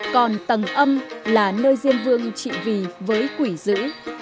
còn tầng âm là nơi riêng vương trị vì với quỷ dữ